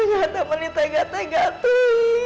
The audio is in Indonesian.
udah nyata menitai gatai gatui